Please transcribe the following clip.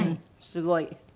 すごい。